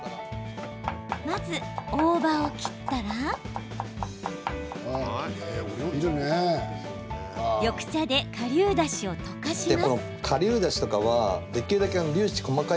まず大葉を切ったら緑茶でかりゅうだしを溶かします。